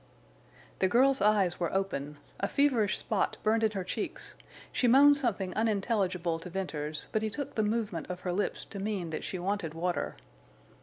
The girl's eyes were open; a feverish spot burned in her cheeks she moaned something unintelligible to Venters, but he took the movement of her lips to mean that she wanted water.